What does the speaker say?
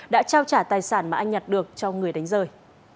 đã trao trả tài sản mà anh nhặt được cho người đánh rơi